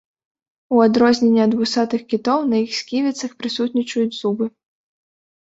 У адрозненні ад вусатых кітоў на іх сківіцах прысутнічаюць зубы.